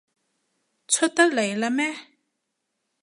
出得嚟喇咩？